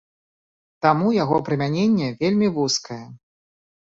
Таму яго прымяненне вельмі вузкае.